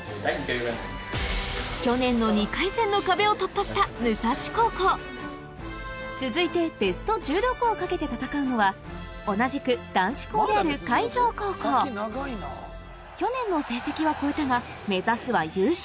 去年の武蔵高校続いてベスト１６を懸けて戦うのは同じく男子校である海城高校去年の成績は超えたが目指すは優勝